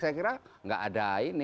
saya kira nggak ada ini